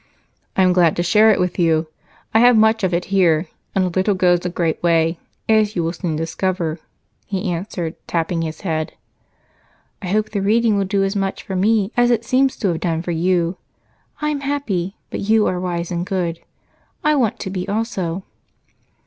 "I'm glad to share it with you. I have much of it here, and a little goes a great way, as you will soon discover," he answered, tapping his head. "I hope the reading will do as much for me as it seems to have done for you. I'm happy, but you are wise and good I want to be also."